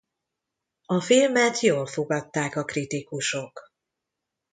A filmet jól fogadták a kritikusok.